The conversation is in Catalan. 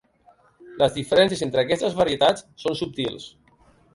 Les diferències entre aquestes varietats són subtils.